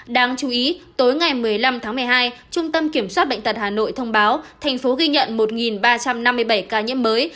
đáng chú ý tối ngày một mươi năm tháng một mươi hai trung tâm kiểm soát bệnh tật hà nội thông báo thành phố ghi nhận một ba trăm năm mươi bảy ca nhiễm mới